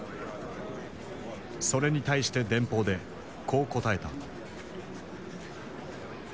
それに対して電報でこう答えた。